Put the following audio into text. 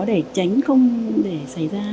để tránh không để xảy ra